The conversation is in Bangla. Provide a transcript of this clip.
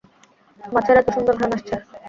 মাছের এত সুন্দর ঘ্রাণ আসছে।